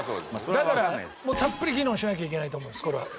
だからたっぷり議論しなきゃいけないと思うこれは。